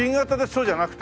そうじゃなくて？